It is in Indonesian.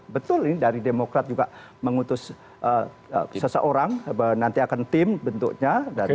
betul ini dari demokrat juga mengutus seseorang nanti akan tim bentuknya